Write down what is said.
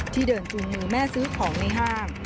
ที่เดินจูงมือแม่ซื้อของในห้าง